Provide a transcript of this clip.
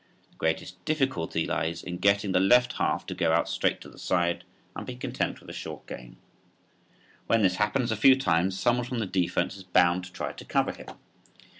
The greatest difficulty lies in getting the left half to go out straight to the side and be content with a short gain. When this happens a few times someone from the defense is bound to try to cover him.